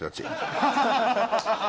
ハハハハ！